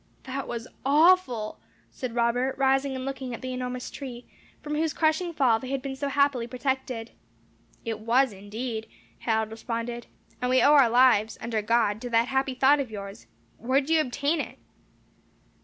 "That was awful," said Robert, rising and looking at the enormous tree, from whose crushing fall they had been so happily protected. "It was, indeed," Harold responded; "and we owe our lives, under God, to that happy thought of yours. Where did you obtain it?"